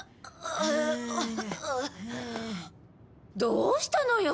どうしたのよ？